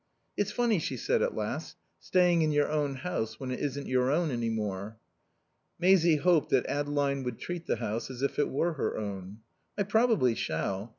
"It's funny," she said at last, "staying in your own house when it isn't your own any more." Maisie hoped that Adeline would treat the house as if it were her own. "I probably shall.